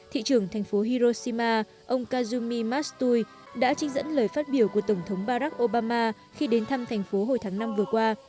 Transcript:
thị trưởng thành phố hiroshima ông kazumi matsutui đã trinh dẫn lời phát biểu của tổng thống barack obama khi đến thăm thành phố hồi tháng năm vừa qua